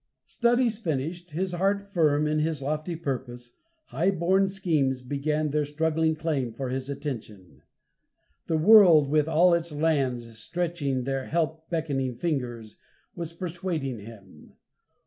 Studies finished, his heart firm in his lofty purpose, highborn schemes began their struggling claim for his attention. The world with all its lands stretching their help beckoning fingers, was persuading him.